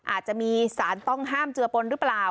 อาจจะมีสารต้องห้ามเจือปนหรือเปล่า